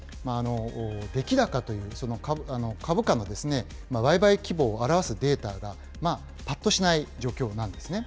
出来高という株価の売買規模を表すデータがぱっとしない状況なんですね。